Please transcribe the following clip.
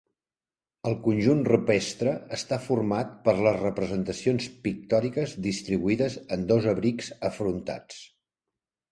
El conjunt rupestre està format per les representacions pictòriques distribuïdes en dos abrics afrontats.